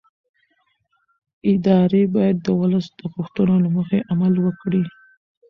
ادارې باید د ولس د غوښتنو له مخې عمل وکړي